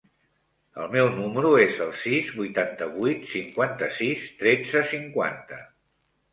El meu número es el sis, vuitanta-vuit, cinquanta-sis, tretze, cinquanta.